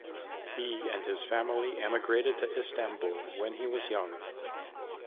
He and his family emigrated to Istanbul when he was young.